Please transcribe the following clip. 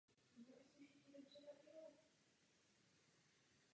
Farnost je excurrendo spravována z Volar.